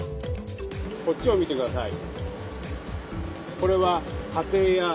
こっちを見てください。